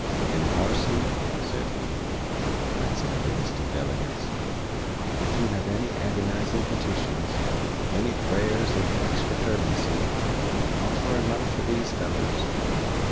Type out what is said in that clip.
"And, Parson," sed he, glancin' at a list uv delegates, "ef yoo hev any agonizin petitions, any prayers uv extra fervency, offer em up for these fellers.